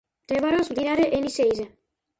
მდებარეობს მდინარე ენისეიზე.